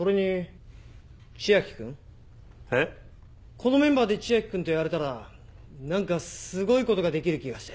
このメンバーで千秋君とやれたら何かすごい事ができる気がして。